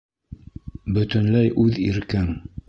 Бөтөнләй үҙ иркең.